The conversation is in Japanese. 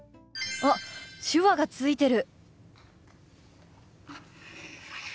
あっ手話がついてる！